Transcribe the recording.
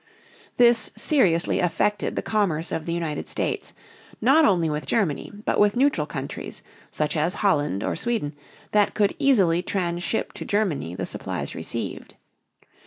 This seriously affected the commerce of the United States, not only with Germany but with neutral countries, such as Holland or Sweden, that could easily transship to Germany the supplies received.